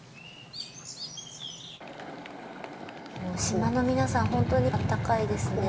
島の皆さん、本当にあったかいですね。